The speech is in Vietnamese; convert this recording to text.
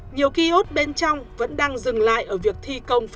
nhiều kiosk bên trong vẫn đang dừng lại ở việc thi công